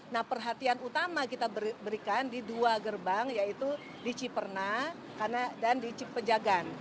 nah perhatian utama kita berikan di dua gerbang yaitu di ciperna dan di cipejagan